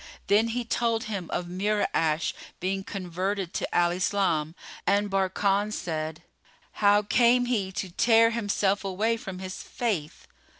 Then he told him of Mura'ash being converted to Al Islam, and Barkan said, "How came he to tear himself away from his faith[FN#34]?"